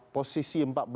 posisi empat buah